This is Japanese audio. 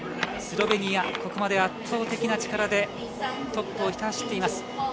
スロベニア、ここまで圧倒的な力でトップを走っています。